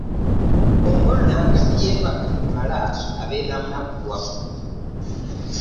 omwana nga teyeebaka kimala abeera munakuwavu.